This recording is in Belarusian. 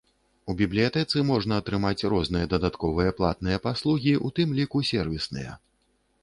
У бібліятэцы можна атрымаць розныя дадатковыя платныя паслугі, у тым ліку сэрвісныя.